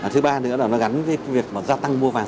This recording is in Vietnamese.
thứ ba nữa là nó gắn với việc gia tăng mua vàng